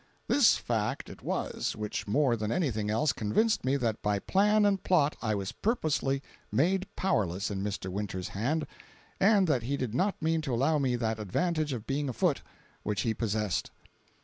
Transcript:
This fact it was, which more than anything else, convinced me that by plan and plot I was purposely made powerless in Mr. Winters' hands, and that he did not mean to allow me that advantage of being afoot, which he possessed.